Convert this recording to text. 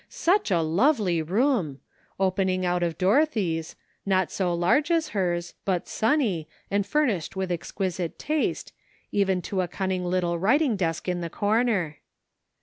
Such a lovely room ! open ing out of Dorothy's ; not so large as hers, but sunny, and furnished with exquisite taste, even to a cunning little writing desk in the corner.